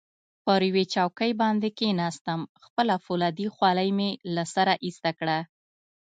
پر یوې چوکۍ باندې کښېناستم، خپله فولادي خولۍ مې له سره ایسته کړه.